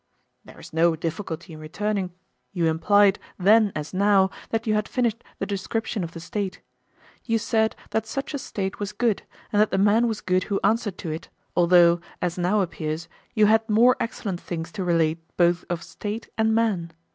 There is no difficulty in returning; you implied, then as now, that you had finished the description of the State: you said that such a State was good, and that the man was good who answered to it, although, as now appears, you had more excellent things to relate both of State and man.